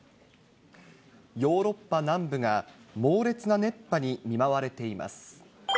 ヨーロッパ南部が猛烈な熱波に見舞われています。